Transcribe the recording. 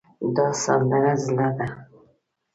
دا سندره زړه ده